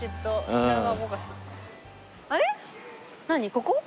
ここ？